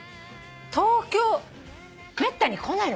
東京めったに来ないのかな。